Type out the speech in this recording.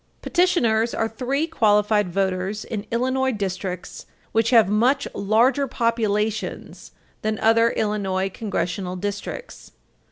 These are three qualified voters in Illinois districts which have much larger populations than other Illinois Congressional districts.